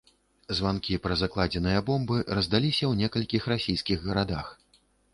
Званкі пра закладзеныя бомбы раздаліся ў некалькіх расійскіх гарадах.